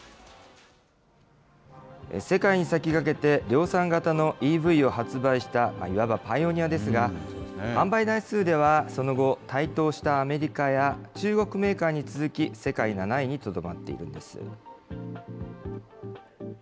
世界に先駆けて量産型のＥＶを発売したいわばパイオニアですが、販売台数では、その後、台頭したアメリカや中国メーカーに続き、世界７位にとどまっているんです。